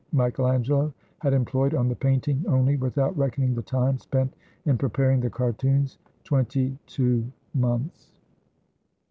Michael Angelo had em ployed on the painting only, without reckoning the time spent in preparing the cartoons, twenty two months.